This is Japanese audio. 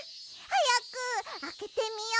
はやくあけてみよ。